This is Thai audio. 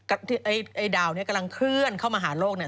ไอ้ดาวนี้กำลังเคลื่อนเข้ามาหาโลกเนี่ย